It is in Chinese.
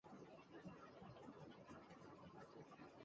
同时也是塔吉克总统旗构成的一部分